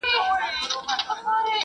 که ګیلاس وي نو اوبه نه توییږي.